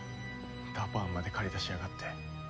ダパーンまで駆り出しやがって。